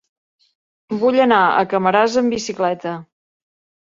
Vull anar a Camarasa amb bicicleta.